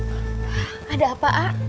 malam ada apa a